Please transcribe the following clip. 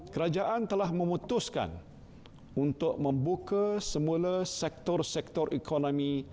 kerajaan telah memutuskan untuk membuka semula sektor sektor ekonomi